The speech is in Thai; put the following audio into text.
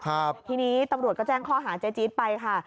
ทีนี้ตำรวจก็แจ้งข้อหาเจ๊จี๊ดไปค่ะ